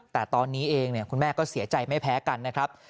แต่ตอนนี้เองคุณแม่ก็เสียใจไม่แพ้กันนะครับ